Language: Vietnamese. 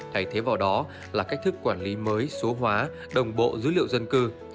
thay thế vào đó là cách thức quản lý mới số hóa đồng bộ dữ liệu dân cư